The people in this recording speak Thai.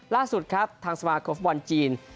ล่าสุดครับทางสมาคมฟุตบอลจีน